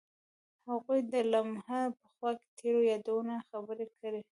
هغوی د لمحه په خوا کې تیرو یادونو خبرې کړې.